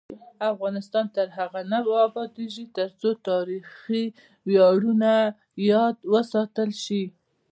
افغانستان تر هغو نه ابادیږي، ترڅو تاریخي ویاړونه یاد وساتل شي.